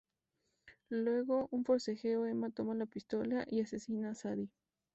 Luego un forcejeo Emma toma la pistola y asesina a Sadie.